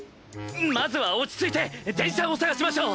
まずは落ち着いて電車を探しましょう。